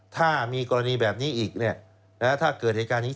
ถ้ามีกรณีแบบนี้อีกแล้วถ้าเกิดในการนี้